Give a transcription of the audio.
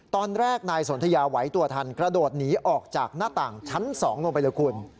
ตอนแรกนายสนทยาไหวตัวทันกระโดดหนีออกจากหน้าต่างชั้น๒ลงไปเลยคุณ